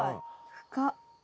深っ！